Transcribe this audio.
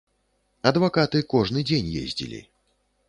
Адвакаты кожны дзень ездзілі.